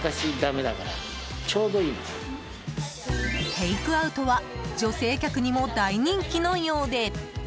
テイクアウトは女性客にも大人気のようで。